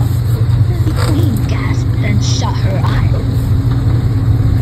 The Queen gasped and shut her eyes.